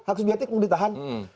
hak subjektif mau ditahan